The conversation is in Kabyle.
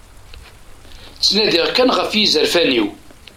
Ttnadiɣ kan ɣef yizerfan-iw.